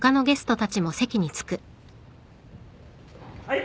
はい。